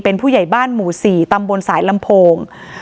เป็นผู้ใหญ่บ้านหมู่๔ตำบลสายลำโพง